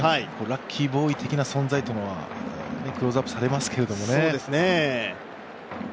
ラッキーボーイ的な存在というのはクローズアップされますけどね。